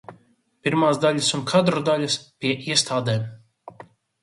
Pirmās daļas un kadru daļas pie iestādēm.